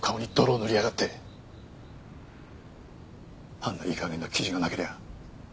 あんないい加減な記事がなけりゃ